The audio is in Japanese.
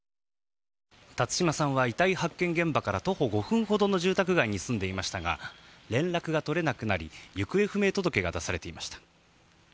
辰島さんは遺体発見現場から徒歩５分ほどの住宅街に住んでいましたが連絡が取れなくなり行方不明届けが出されていました。